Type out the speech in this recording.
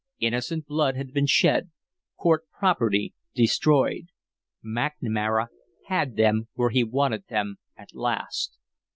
Innocent blood had been shed, court property destroyed. McNamara had them where he wanted them at last.